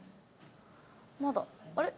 まだあれ？